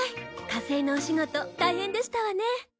火星のお仕事大変でしたわね。